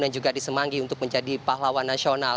juga disemangi untuk menjadi pahlawan nasional